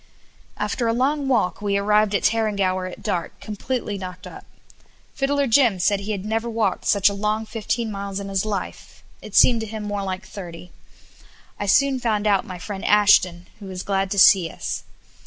After a long walk we arrived at Tarrangower at dark, completely knocked up. Fiddler Jim said he had never walked such a long fifteen miles in his life; it seemed to him more like thirty. I soon found out my friend Ashton, who was glad to see us.